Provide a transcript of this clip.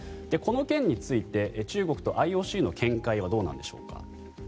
この件について中国とＩＯＣの見解はどうなんでしょうか。